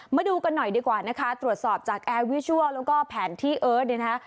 มาดูกันหน่อยดีกว่านะคะตรวจสอบจากแอร์วิชัลแล้วก็แผนที่เอิร์ทเนี่ยนะคะ